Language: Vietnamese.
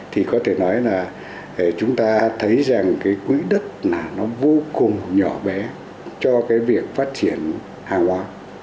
thì có thể nói là chúng ta thấy rằng cái quỹ đất là nó vô cùng nhỏ bé cho cái việc phát triển hàng hóa